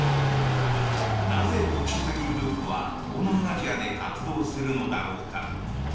なぜ、特殊詐欺グループは東南アジアで活動するのだろうか。